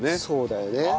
そうだよね。